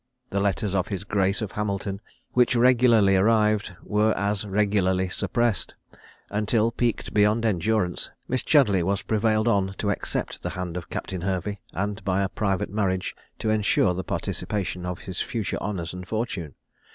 The letters of his grace of Hamilton, which regularly arrived, were as regularly suppressed; until, piqued beyond endurance, Miss Chudleigh was prevailed on to accept the hand of Captain Hervey, and by a private marriage, to ensure the participation of his future honours and fortune.